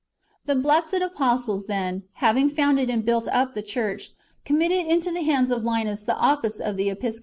The blessed apostles, then, having founded and built up the church, committed into the hands of Linus the office of the episcopate.